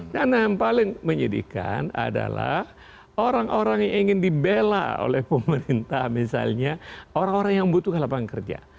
karena yang paling menyedihkan adalah orang orang yang ingin dibela oleh pemerintah misalnya orang orang yang butuhkan lapangan kerja